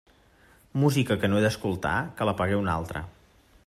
Música que no he d'escoltar, que la pague un altre.